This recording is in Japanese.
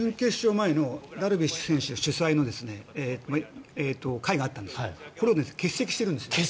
前のダルビッシュ選手主催の会があったんですがこれを欠席しているんです。